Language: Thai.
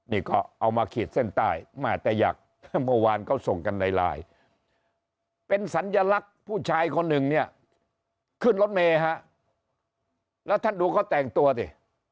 นี่ก็เอามาเขียนเส้นใต้